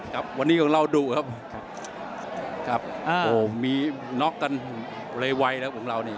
ครับวันนี้ของเราดูครับครับโอ้โหมีน็อกกันไวแล้วของเรานี่